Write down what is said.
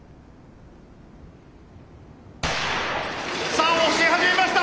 さあ押し始めました！